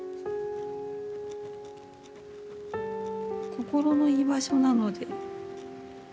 心の居場所なので。